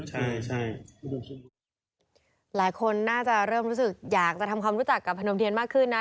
ใช่ใช่หลายคนน่าจะเริ่มรู้สึกอยากจะทำความรู้จักกับพนมเทียนมากขึ้นนะ